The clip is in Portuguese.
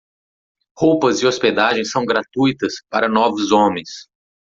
Roupas e hospedagem são gratuitas para novos homens.